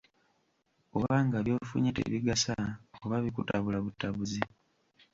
Oba nga by'ofunye tebigasa oba bikutabula butabuzi.